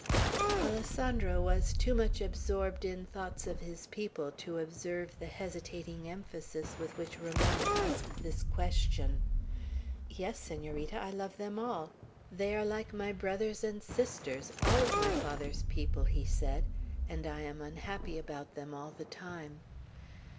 Alessandro was too much absorbed in thoughts of his people, to observe the hesitating emphasis with which Ramona asked this question. "Yes, Senorita, I love them all. They are like my brothers and sisters, all of my father's people," he said; "and I am unhappy about them all the time."